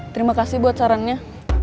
terima kasih buat sarannya